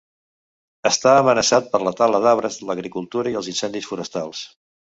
Està amenaçat per la tala d'arbres, l'agricultura i els incendis forestals.